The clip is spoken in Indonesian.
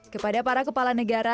kepada para kepala negara